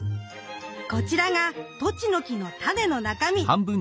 こちらがトチノキの種の中身。